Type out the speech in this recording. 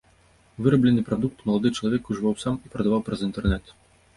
Выраблены прадукт малады чалавек ужываў сам і прадаваў праз інтэрнэт.